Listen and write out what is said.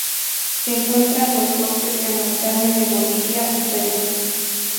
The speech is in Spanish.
Se encuentra en los bosques de montaña de Bolivia y Perú.